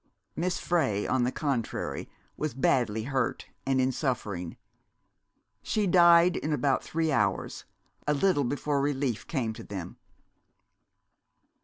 Miss Frey, on the contrary, was badly hurt, and in suffering. She died in about three hours, a little before relief came to them."